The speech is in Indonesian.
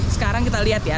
sekarang kita lihat ya